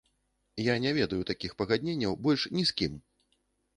Я не ведаю такіх пагадненняў больш ні з кім!